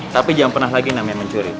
tapi jangan pernah lagi namanya mencuri